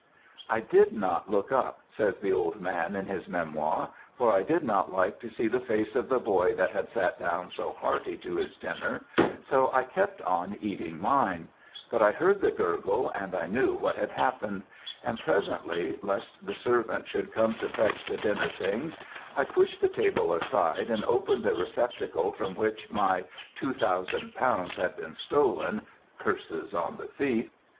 "'I did not look up,' says the old man in his memoir, 'for I did not like to see the face of the boy that had sat down so hearty to his dinner, so I kept on eating mine but I heard the gurgle, and I knew what had happened; and presently lest the servant should come to fetch the dinner things, I pushed the table aside and opened the receptacle from which my two thousand pounds had been stolen curses on the thief!